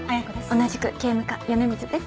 同じく警務課米光です。